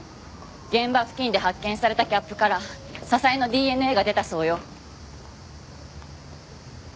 現場付近で発見されたキャップから笹井のＤＮＡが出たそうよ。